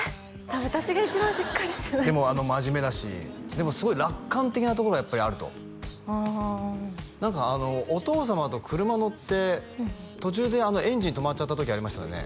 多分私が一番しっかりしてないでも真面目だしでもすごい楽観的なところがやっぱりあるとうん何かお父様と車乗って途中でエンジン止まっちゃった時ありましたよね？